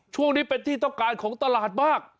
ช่วงนี้เป็นที่ต้องการของตลาดมาก